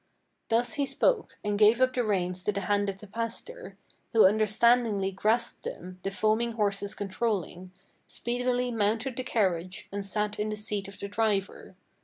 Thus he spoke, and gave up the reins to the hand of the pastor, Who understandingly grasped them, the foaming horses controlling, Speedily mounted the carriage, and sat in the seat of the driver.